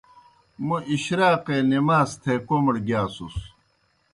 موْ اِشراقے نماز تھے کوْمڑ گِیاسُس۔